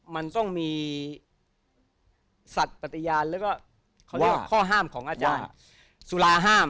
มันมันอยู่ตรงไหน